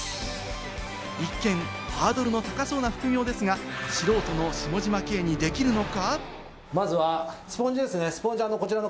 一見ハードルの高そうな副業ですが、素人の下嶋兄にできるのか？